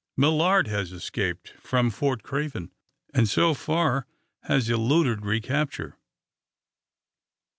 "Millard has escaped from Fort Craven, and, so far, has eluded recapture!"